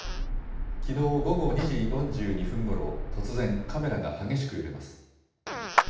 きのう午後２時４２分ごろ、突然、カメラが激しく揺れます。